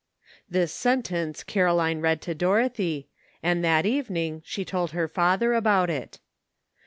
This sentence Caroline read to Dorothy, and that evening she told her father about it.